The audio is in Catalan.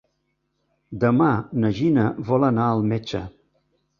Demà na Gina vol anar al metge.